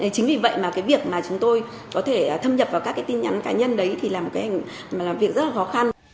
chính vì vậy mà cái việc mà chúng tôi có thể thâm nhập vào các cái tin nhắn cá nhân đấy thì là một cái mà làm việc rất là khó khăn